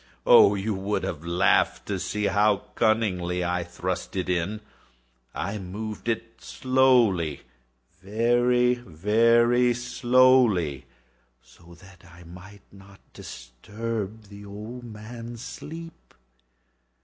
Oh, you would have laughed to see how cunningly I thrust it in! I moved it slowly—very, very slowly, so that I might not disturb the old man's sleep.